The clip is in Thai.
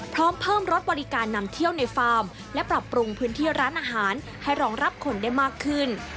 พร้อมเพิ่มรถบริการนำเที่ยวในฟาร์มและปรับปรุงพื้นที่ร้านอาหารให้รองรับคนได้มากขึ้น